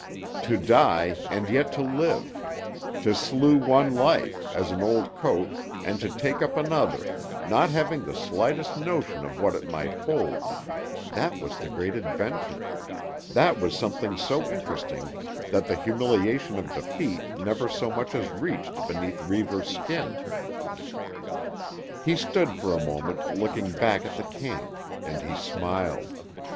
To die, and yet to live; to slough one life, as an old coat, and to take up another, not having the slightest notion of what it might hold—that was the great adventure, that was something so interesting that the humiliation of defeat never so much as reached beneath Reivers' skin. He stood for a moment, looking back at the camp, and he smiled.